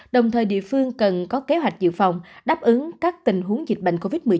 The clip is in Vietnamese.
đồng thời địa phương cần có kế hoạch dự phòng đáp ứng các tình huống dịch bệnh covid một mươi chín